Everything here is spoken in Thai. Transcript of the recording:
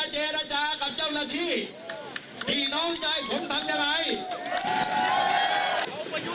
เจรจากับเจ้าหน้าที่ที่น้องใจของภรรยาลัย